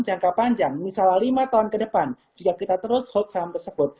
jangka panjang misalnya lima tahun ke depan jika kita terus hold saham tersebut